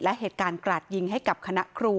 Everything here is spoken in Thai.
และเหตุการณ์กราดยิงให้กับคณะครู